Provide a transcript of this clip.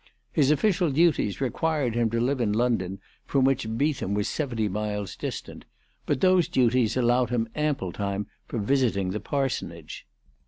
His official duties required him to live in London, from which Beetham was seventy miles dis tant; but those duties allowed him ample time for visiting the parsonage.